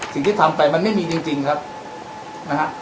สิ่งที่ทำไปมันไม่มีจริงครับนะฮะ